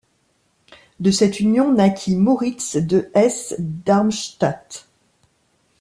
De cette union naquit Moritz de Hesse-Darmstadt.